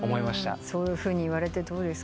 そういうふうに言われてどうですか？